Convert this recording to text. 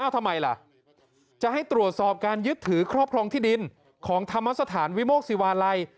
ทำไมล่ะจะให้ตรวจสอบการยึดถือครอบครองที่ดินของธรรมสถานวิโมกศิวาลัย